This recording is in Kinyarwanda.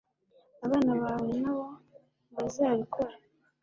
abana bawe nabo ntibazabikora